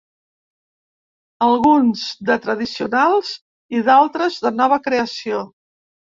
Alguns de tradicionals i d'altres de nova creació.